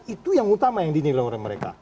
itu yang utama yang dinilai oleh mereka